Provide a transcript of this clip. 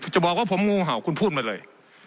จะบอกว่าผมงูเห่าคุณพูดมาเลย